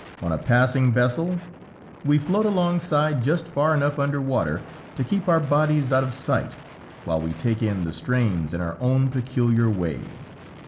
on a passing vessel, we float alongside just far enough under water to keep our bodies out of sight, while we take in the strains in our own peculiar way.